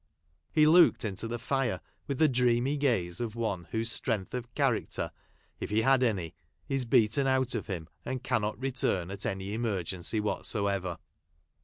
He looked into the fire with the dreamy gaze of one whose strength of character, if lie had any, is beaten out of him, and cannot return at any emergency whatsoever.